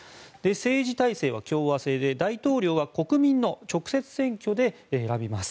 政治体制は共和制で大統領は国民の直接選挙で選びます。